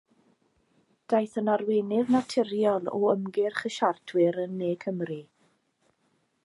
Daeth yn arweinydd naturiol o ymgyrch y siartwyr yn Ne Cymru.